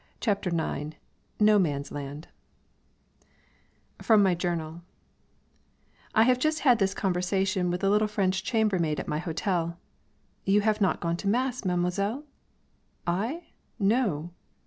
CHAPTER IX NO MAN'S LAND FROM MY JOURNAL: I have just had this conversation with the little French chambermaid at my hotel. "You have not gone to mass, Mademoiselle?" "I? No."